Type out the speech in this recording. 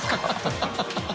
ハハハ